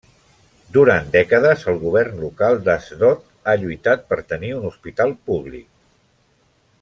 Durant dècades el govern local d'Asdod ha lluitat per tenir un hospital públic.